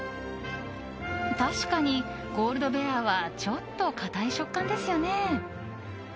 確かにゴールドベアはちょっと硬い食感ですよね。